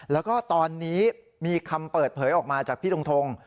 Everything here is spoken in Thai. แล้วก็ตอนนี้มีคำเปิดเผยออกมาจากพี่ทงทง